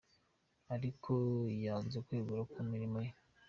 Ariko yanze kwegura ku mirimo ye.